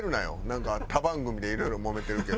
なんか他番組でいろいろもめてるけど。